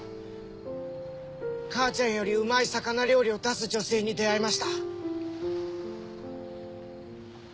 母ちゃんよりうまい魚料理を出す女性に出会いました。